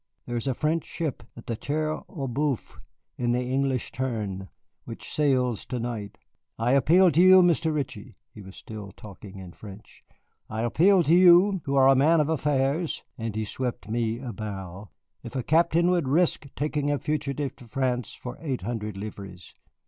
There is a French ship at the Terre aux Bœufs in the English Turn, which sails to night. I appeal to you, Mr. Ritchie," he was still talking in French "I appeal to you, who are a man of affairs," and he swept me a bow, "if a captain would risk taking a fugitive to France for eight hundred livres?